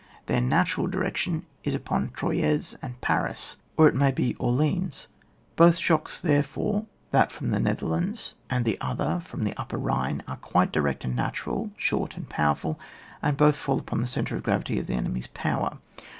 Their natural direction is upon Troyes and Paris, or it may be Orleans. Both shocks, there fore, that from the Netherlands and the other from the upper Bhine, are quite direct cuid natural, short and powerful ; and both fall upon the centre of gravity of the enemy's power.